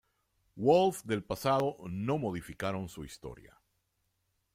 Wolf del pasado no modificaron su historia.